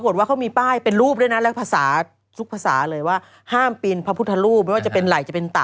หมดดำไปไหว้พระเหรออ๋อไปไหว้ก็เท่านั้นแหละ